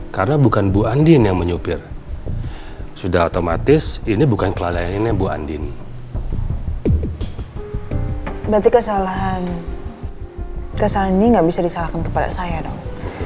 kesalahan ini gak bisa disalahkan kepada saya dong